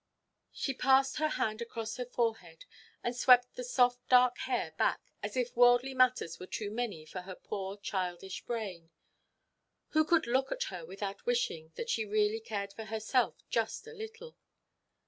She passed her hand across her forehead, and swept the soft dark hair back, as if worldly matters were too many for her poor childish brain. Who could look at her without wishing that she really cared for herself, just a little?